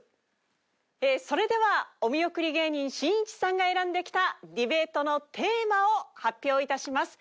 それではお見送り芸人しんいちさんが選んできたディベートのテーマを発表いたします。